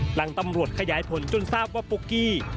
หลังตำรวจขยายผลจนทราบว่าปุ๊กกี้